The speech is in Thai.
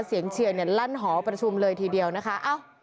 เชียร์เนี่ยลั่นหอประชุมเลยทีเดียวนะคะ